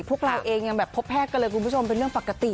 พวกเราเองยังแบบพบแพทย์กันเลยคุณผู้ชมเป็นเรื่องปกติ